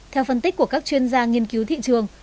theo phân tích của các chuyên gia nghiên cứu thị trường